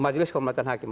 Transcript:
majelis keluaran hakim